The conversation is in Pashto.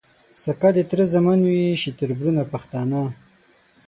سکه د تره زامن وي شي تــربـــرونـه پښتانه